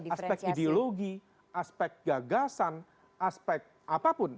aspek ideologi aspek gagasan aspek apapun